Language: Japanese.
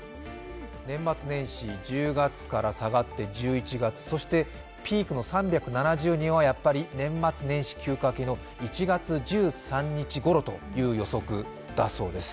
年末年始、１０月から下がって１１月、そしてピークの３７０人はやっぱり年末年始の休暇明けの１月１３日ごろという予測だそうです。